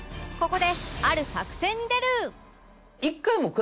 ここである作戦に出る！